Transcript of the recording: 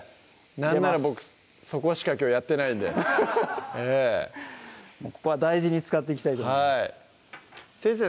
なんなら僕そこしかきょうやってないんでここは大事に使っていきたいと思います先生